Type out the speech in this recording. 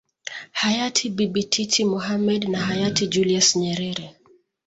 Hayati bibi titi Mohamed na Hayati Julius Nyerere